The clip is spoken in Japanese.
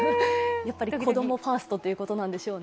やっぱり子供ファーストということなんでしょうね。